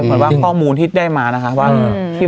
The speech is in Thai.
เหมือนว่าข้อมูลที่ได้มาว่าวันที่๑๙